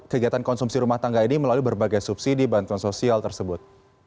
kegiatan konsumsi rumah tangga ini melalui berbagai subsidi bantuan sosial tersebut